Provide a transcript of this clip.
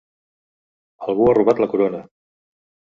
Algú ha robat la corona!